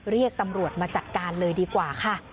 เรียกตำรวจมาจัดการเลยดีกว่าค่ะ